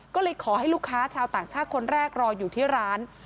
ก็เลยขอให้ลูกค้าชาวต่างชาติคนแรกรออยู่ที่ร้าน